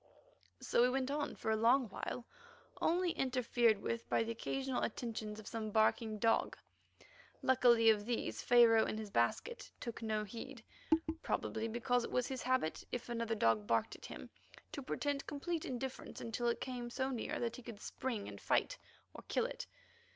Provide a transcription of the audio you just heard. So we went on for a long while, only interfered with by the occasional attentions of some barking dog. Luckily of these Pharaoh, in his basket, took no heed, probably because it was his habit if another dog barked at him to pretend complete indifference until it came so near that he could spring and fight, or kill it.